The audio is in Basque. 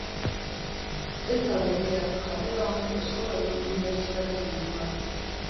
Ez da berria, jarrera honek eskola du unibertsitate munduan.